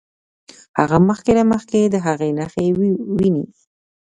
هغه مخکې له مخکې د هغې نښې ويني.